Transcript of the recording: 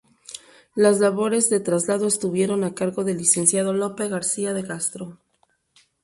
Las labores de traslado estuvieron a cargo del licenciado Lope García de Castro.